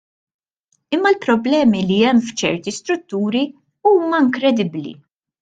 Imma l-problemi li hemm f'ċerti strutturi huma inkredibbli.